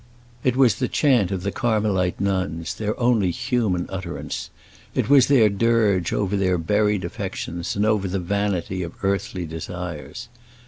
It was the chant of the Carmelite nuns, their only human utterance. It was their dirge over their buried affections and over the vanity of earthly desires.